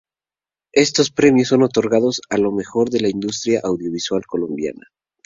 Estos premios son otorgados a lo mejor de la industria audiovisual colombiana.